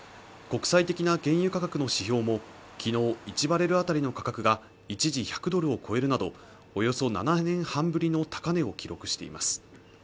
国際的な原油価格の指標も昨日１バレルあたりの価格が一時１００ドルを超えるなどおよそ７年半ぶりの高値を記録しています